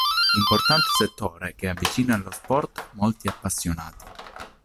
Importante settore che avvicina allo sport molti appassionati.